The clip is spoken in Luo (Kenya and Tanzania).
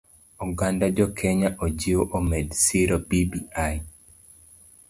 Oganda jokenya ojiw omed siro bbi.